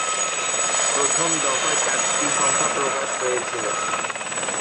প্রথম দফায় চারটি সংখ্যা প্রকাশ হয়েছিল।